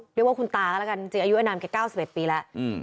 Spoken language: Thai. เรียกว่าคุณตาละกันจริงอายุไอนามแก่เก้าสิบเอ็ดปีแล้ว